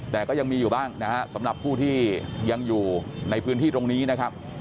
แต่ก็ยังมีอยู่บ้างนะฮะสำหรับผู้ที่ยังอยู่ในพื้นที่ตรงนี้นะครับ